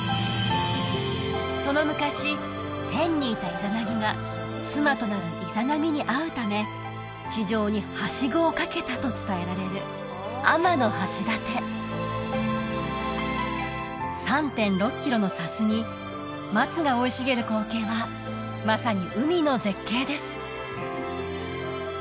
その昔天にいたイザナギが妻となるイザナミに会うため地上に梯子を掛けたと伝えられる天橋立３．６キロの砂州に松が生い茂る光景はまさに海の絶景です